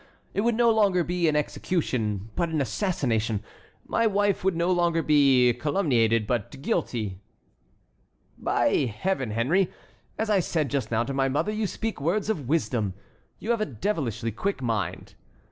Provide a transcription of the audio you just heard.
It would no longer be an execution, but an assassination. My wife would no longer be calumniated, but guilty." "By Heaven, Henry, as I said just now to my mother, you speak words of wisdom. You have a devilishly quick mind."